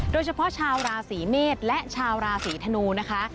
โดยเฉพาะชาวราศีเมษและชาวราศีธนูนะคะ